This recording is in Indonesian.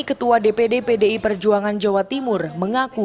ketua dpd pdi perjuangan jawa timur mengaku